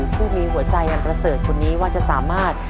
ผู้มีหัวใจอันประเสริฐคนนี้ว่าจะสามารถ